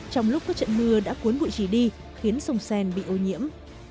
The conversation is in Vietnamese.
trong lúc các trận mưa đã cuốn bụi trì đi khiến sông seine bị ô nhiễm